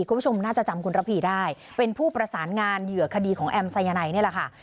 คุณผู้ชมน่าจะจำคุณระพีได้เป็นผู้ประสานงานเหยื่อคดีของแอมไซยาไนนี่แหละค่ะ